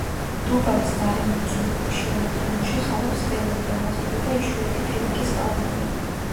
დუბაის გარემომცველ ქვიშიან უდაბნოში ხარობს ველური ბალახები და იშვიათი ფინიკის პალმები.